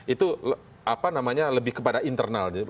itu apa namanya lebih kepada internal